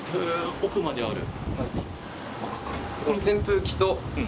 奥まであるあっ